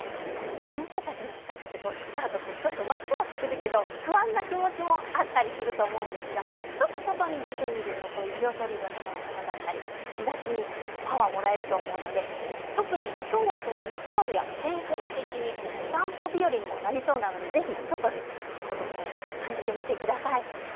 新生活のスタートってちょっとわくわくするけど不安な気持ちもあったりすると思うんですがちょっと外に出てみると色とりどりの花だったり日ざしにパワーがもらえると思うので特に今日と日曜日は全国的にお散歩日和になりそうなのでぜひ外の様子を感じてみてください。